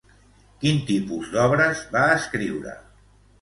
Quin tipus d'obres va escriure?